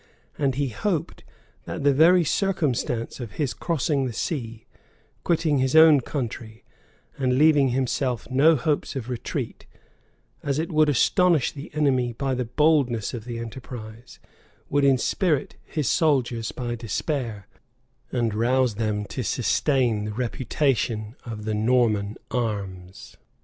And he hoped that the very circumstance of his crossing the sea, quitting his own country, and leaving himself no hopes of retreat, as it would astonish the enemy by the boldness of the enterprise, would inspirit his soldiers by despair, and rouse them to sustain the reputation of the Norman arms.